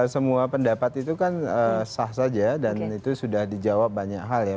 semua pendapat itu kan sah saja dan itu sudah dijawab banyak hal ya